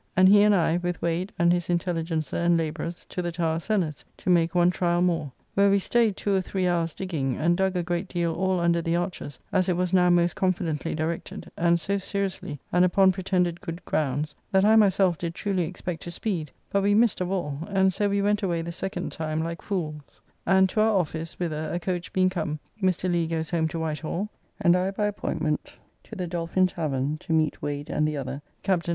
And he and I, with Wade and his intelligencer and labourers, to the Tower cellars, to make one tryall more; where we staid two or three hours digging, and dug a great deal all under the arches, as it was now most confidently directed, and so seriously, and upon pretended good grounds, that I myself did truly expect to speed; but we missed of all: and so we went away the second time like fools. And to our office, whither, a coach being come, Mr. Leigh goes home to Whitehall; and I by appointment to the Dolphin Tavern, to meet Wade and the other, Captn.